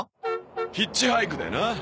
ヒッチハイクでな。